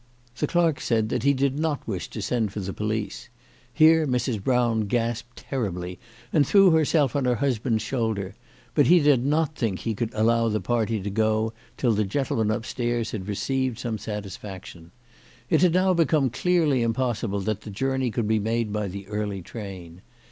The clerk said that he did not wish to 238 CHKISTMAS AT THOMPSON HALL. send for the police here Mrs. Brown gasped terribly and threw herself on her husband's shoulder, but he did not think he could allow the party to go till the gentleman upstairs had received some satisfaction. It had now become clearly impossible that the journey could be made by the early train.